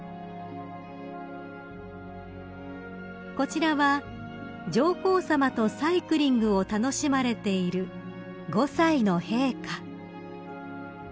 ［こちらは上皇さまとサイクリングを楽しまれている５歳の陛下］